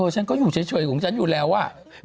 ฉันก็อยู่เฉยของฉันอยู่แล้วอะ